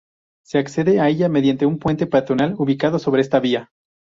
Se accede a ella mediante un puente peatonal ubicado sobre esta vía.